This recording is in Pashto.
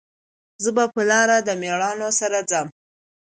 زه به په لار د میړانو سره ځم